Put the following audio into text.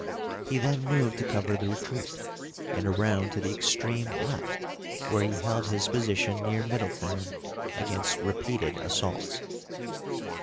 He then moved to cover the retreat, and around to the extreme left, where he held his position near Middletown against repeated assaults.